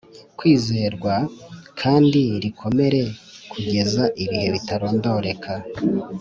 kwizerwa kandi rikomere k kugeza ibihe bitarondoreka